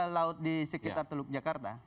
laut di sekitar teluk jakarta